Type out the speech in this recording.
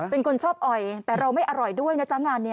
เป็นคนชอบอ่อยแต่เราไม่อร่อยด้วยนะจ๊ะงานนี้